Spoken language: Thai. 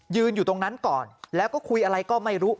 อยู่ตรงนั้นก่อนแล้วก็คุยอะไรก็ไม่รู้